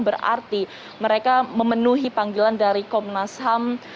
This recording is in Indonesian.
berarti mereka memenuhi panggilan dari komnas ham